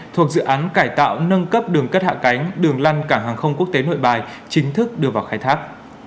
thuộc dự án cải tạo nâng cấp đường cất hạ cánh đường lăn cảng hàng không quốc tế nội bài chính thức đưa vào khai thác